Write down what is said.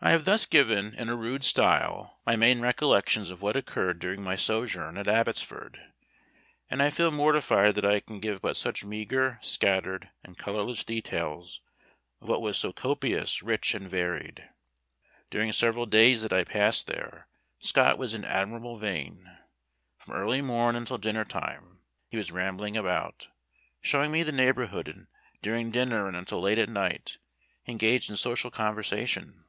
I have thus given, in a rude style, my main recollections of what occurred during my sojourn at Abbotsford, and I feel mortified that I can give but such meagre, scattered, and colorless details of what was so copious, rich, and varied. During several days that I passed there Scott was in admirable vein. From early morn until dinner time he was rambling about, showing me the neighborhood, and during dinner and until late at night, engaged in social conversation.